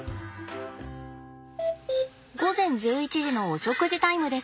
午前１１時のお食事タイムです。